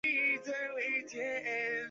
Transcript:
库尔泰莫。